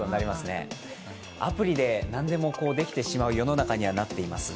アプリで何でもできてしまう世の中にはなっていますね。